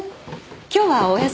今日はお休みかな。